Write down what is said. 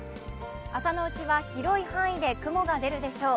朝のうちは広い範囲で雲が出るでしょう。